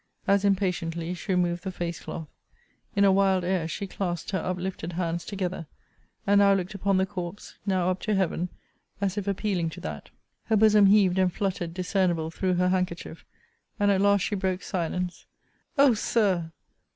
As impatiently she removed the face cloth. In a wild air, she clasped her uplifted hands together; and now looked upon the corpse, now up to Heaven, as if appealing to that. Her bosom heaved and fluttered discernible through her handkerchief, and at last she broke silence: O Sir!